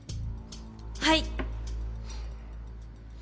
はい！